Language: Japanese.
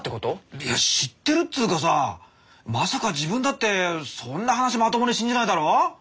いや知ってるっつうかさまさか自分だってそんな話まともに信じないだろう？